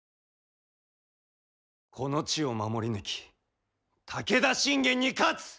この地を守り抜き武田信玄に勝つ！